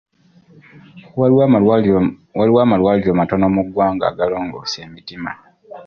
Waliwo amalwaliro matono mu ggwanga agalongoosa emitima.